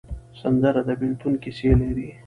سندره د بېلتون کیسې لري